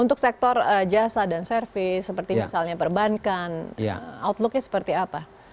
untuk sektor jasa dan service seperti misalnya perbankan